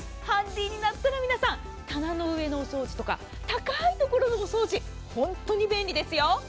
ハンディになったら皆さん、棚の上のお掃除とか、高いところのお掃除、本当に便利ですよ。